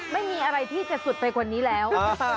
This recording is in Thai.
ไม่มีอะไรที่จะสุดไปกว่านี้แล้ว